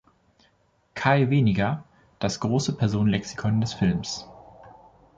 Kay Weniger: "Das große Personenlexikon des Films.